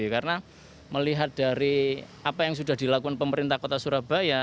karena melihat dari apa yang sudah dilakukan pemerintah kota surabaya